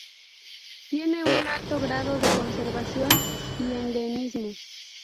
Tiene un alto grado de conservación y endemismo.